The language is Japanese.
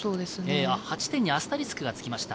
８点にアスタリスクがつきました。